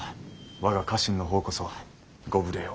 我が家臣の方こそご無礼を。